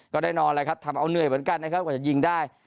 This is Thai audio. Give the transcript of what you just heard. ก็แน่นอนแล้วครับทำเอาเหนื่อยเหมือนกันนะครับกว่าจะยิงได้